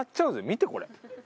見てこれ。